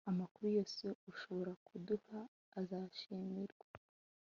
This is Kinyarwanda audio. Amakuru yose ushobora kuduha azashimirwa